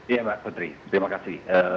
iya mbak putri terima kasih